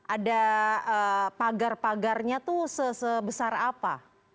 ada pagar pagarnya itu sebesar apa